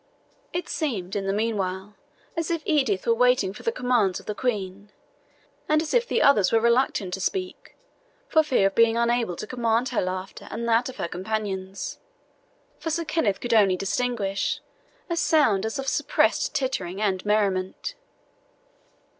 It seemed, in the meanwhile, as if Edith were waiting for the commands of the Queen, and as if the other were reluctant to speak for fear of being unable to command her laughter and that of her companions; for Sir Kenneth could only distinguish a sound as of suppressed tittering and merriment.